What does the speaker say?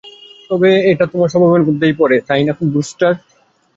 তবে এটা তোমার স্বভাবের মধ্যেই পড়ে, তাই না, রুস্টার।